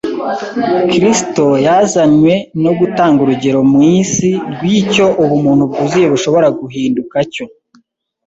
Kristo yazanywe no gutanga urugero mu isi rw’icyo ubumuntu bwuzuye bushobora guhinduka cyo